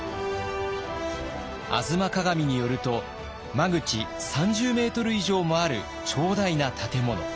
「吾妻鏡」によると間口３０ｍ以上もある長大な建物。